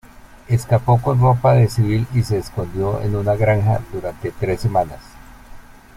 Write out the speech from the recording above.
Escapó con ropa de civil y se escondió en una granja durante tres semanas.